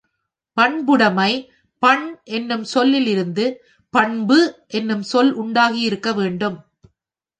பண்புடைமை பண் என்னும் சொல்லில் இருந்து பண்பு என்னும் சொல் உண்டாகி இருக்க வேண்டும்.